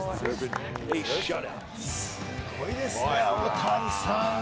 すごいですね、大谷さん。